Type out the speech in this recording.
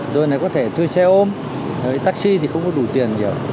rồi này có thể thuê xe ôm taxi thì không có đủ tiền gì